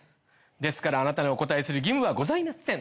ですからあなたにお答えする義務はございません。